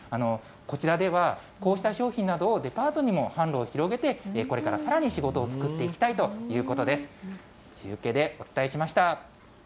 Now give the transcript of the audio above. こちらでは、こうした商品などをデパートにも販路を広げて、これからさらに仕事を作っていきたいということです。